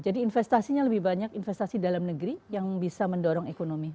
jadi investasinya lebih banyak investasi dalam negeri yang bisa mendorong ekonomi